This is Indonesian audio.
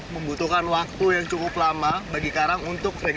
membutuhkan waktu yang cukup lama bagi karang untuk